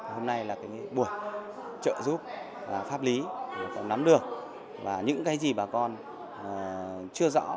hôm nay là buổi trợ giúp pháp lý để cho bà con nắm được và những cái gì bà con chưa rõ